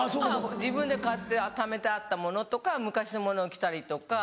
自分で買ってためてあったものとか昔のものを着たりとか。